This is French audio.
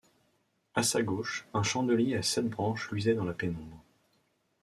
À sa gauche, un chandelier à sept branches luisait dans la pénombre.